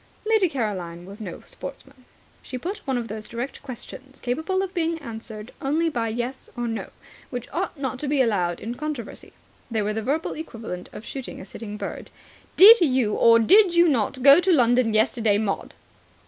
Lady Caroline was no sportsman. She put one of those direct questions, capable of being answered only by "Yes" or "No", which ought not to be allowed in controversy. They are the verbal equivalent of shooting a sitting bird. "Did you or did you not go to London yesterday, Maud?"